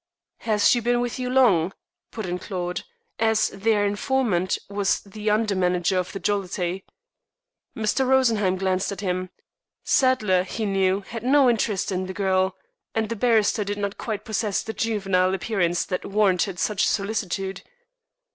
"Has she been with you long?" put in Claude, as their informant was the under manager of the Jollity. Mr. Rosenheim glanced at him. Sadler, he knew, had no interest in the girl, and the barrister did not quite possess the juvenile appearance that warranted such solicitude.